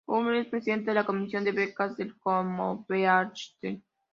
Unwin es Presidente de la "Comisión de Becas" del Commonwealth.